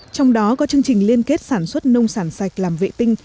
trong đó có chương trình liên kết sản xuất nông sản sạch làm vệ tinh